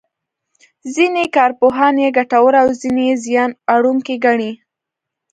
ځینې کارپوهان یې ګټوره او ځینې یې زیان اړوونکې ګڼي.